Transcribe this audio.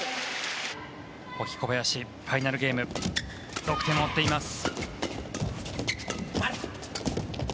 保木、小林ファイナルゲーム６点を追っています。